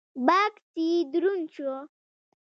بکس يې دروند شو.